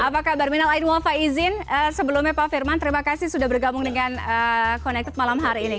apa kabar minal ainwafa izin sebelumnya pak firman terima kasih sudah bergabung dengan connected malam hari ini